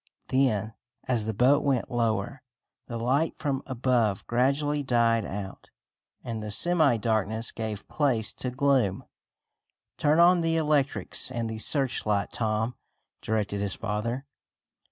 Then, as the boat went lower, the light from above gradually died out, and the semi darkness gave place to gloom. "Turn on the electrics and the searchlight, Tom," directed his father.